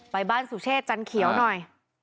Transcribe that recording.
ไปบ้านสุเชษจันเขียวหน่อย